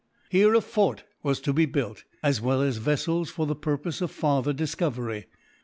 Here a fort was to be built, as well as vessels for the purpose of farther discovery.